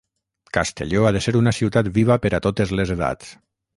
“Castelló ha de ser una ciutat viva per a totes les edats”.